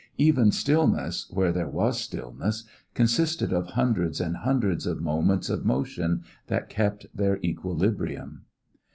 Even stillness, where there was stillness, consisted of hundreds and hundreds of moments of motion that kept their equilibrium.